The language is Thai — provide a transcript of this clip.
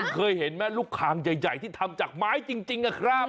เคยเห็นไหมลูกคางใหญ่ที่ทำจากไม้จริงนะครับ